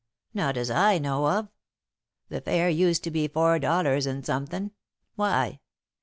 "Not as I know of. The fare used to be four dollars and somethin'. Why?"